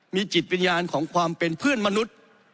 มีจิตวิญญาณของความเป็นเพื่อนมนุษย์